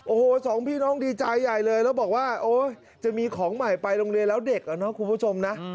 โอ้โหสองพี่น้องดีใจใหญ่เลยแล้วบอกว่าโอ๊ยจะมีของใหม่ไปโรงเรียนแล้วเด็กอ่ะเนอะคุณผู้ชมนะ